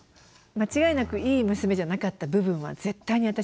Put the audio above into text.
間違いなくいい娘じゃなかった部分は絶対に私にもあるので。